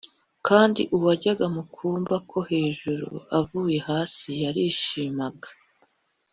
kandi uwajyaga mu kumba ko hejuru avuye hasi yarishimaga